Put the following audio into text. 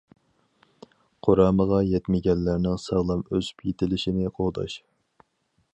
قۇرامىغا يەتمىگەنلەرنىڭ ساغلام ئۆسۈپ يېتىلىشىنى قوغداش.